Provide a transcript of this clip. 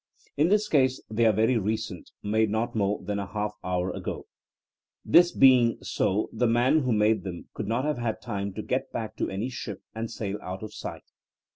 In this case they are very recent — ^made not more than a half hour ago. This being so the man who made them could not have had time to get back to any ship and sail out of sight.